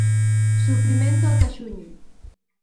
Sufrimento ata xuño.